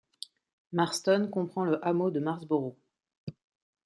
Marston comprend le hameau de Marsboro.